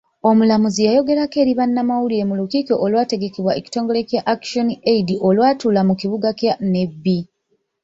Omulamuzi yayogerako eri bannamawulire mu lukiiko olwategekebwa ekitongile Kya Action Aid olwatuula mu kibuga kya Nebbi.